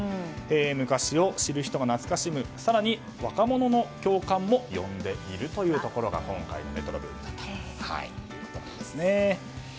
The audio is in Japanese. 昔を知る人が懐かしむ更に、若者の共感も呼んでいるというところが今回のレトロブームだということです。